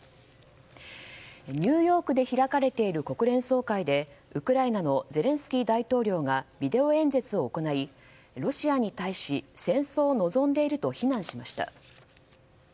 ニューヨークで開かれている国連総会でウクライナのゼレンスキー大統領がビデオ演説を行い、ロシアに対し戦争を望んでいると非難しました。